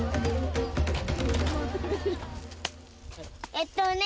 えっとね。